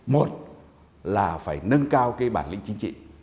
một là phải nâng cao cái bản lĩnh chính trị